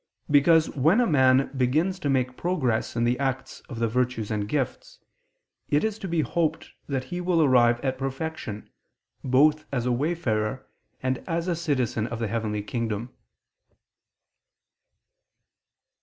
Because when a man begins to make progress in the acts of the virtues and gifts, it is to be hoped that he will arrive at perfection, both as a wayfarer, and as a citizen of the heavenly kingdom.